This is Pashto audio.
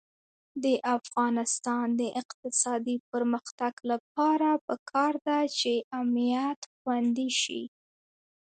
د افغانستان د اقتصادي پرمختګ لپاره پکار ده چې امنیت خوندي شي.